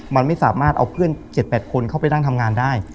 มันไม่สามารถเอาเพื่อน๗๘คนเข้าไปนั่งทำงานได้